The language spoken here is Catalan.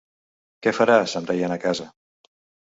Què faràs, em deien a casa.